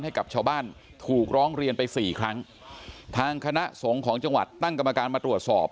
ให้กับชาวบ้านถูกร้องเรียนไปสี่ครั้งทางคณะสงฆ์ของจังหวัดตั้งกรรมการมาตรวจสอบ